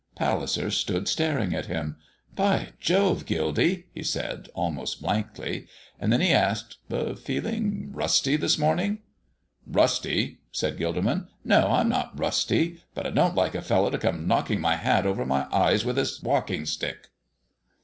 Palliser stood staring at him. "By Jove! Gildy," he said, almost blankly; and then he asked, "Feeling rusty this morning?" "Rusty!" said Gilderman. "No, I'm not rusty, but I don't like a fellow to come knocking my hat over my eyes with his walking stick."